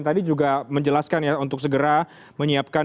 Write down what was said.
tadi juga menjelaskan ya untuk segera menyiapkan